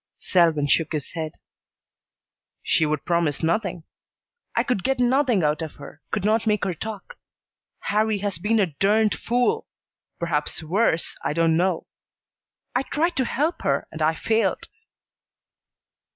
Selwyn shook his head. "She would promise nothing. I could get nothing out of her, could not make her talk. Harrie has been a durned fool perhaps worse, I don't know. I tried to help her, and I failed."